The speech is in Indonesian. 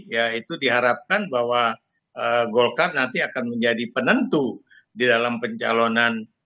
ya itu diharapkan bahwa golkar nanti akan menjadi penentu di dalam pencalonan